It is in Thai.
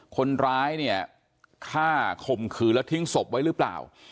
คนร้ายเนี่ยฆ่าข่มขืนแล้วทิ้งศพไว้หรือเปล่า